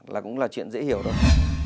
là cũng là chuyện dễ hiểu thôi